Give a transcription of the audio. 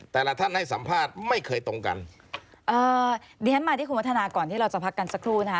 แต่ละท่านให้สัมภาษณ์ไม่เคยตรงกันเอ่อดิฉันมาที่คุณวัฒนาก่อนที่เราจะพักกันสักครู่นะคะ